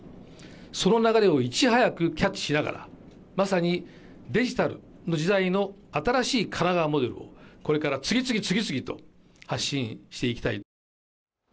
その流れをいち早くキャッチしながらまさにデジタルの時代の新しい神奈川モデルをこれから次々と発信していきたい。